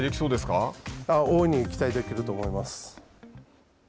大いに期待できると思います。